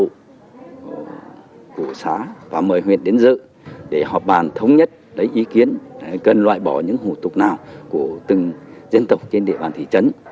chúng tôi đã tổ chức hội thảo của xã và mời huyện đến dự để họp bàn thống nhất lấy ý kiến cần loại bỏ những hủ tục nào của từng dân tộc trên địa bàn thị trấn